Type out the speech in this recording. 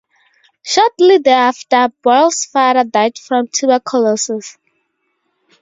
Shortly thereafter, Boyle's father died from tuberculosis.